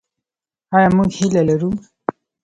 آیا موږ هیله لرو؟